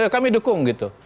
kami dukung gitu